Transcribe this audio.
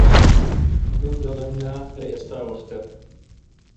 من دەڵێم: نا هەر ئێستە وەختە!